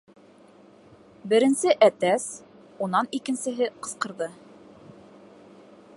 Беренсе әтәс, унан икенсеһе ҡысҡырҙы.